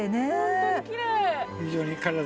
本当にきれい。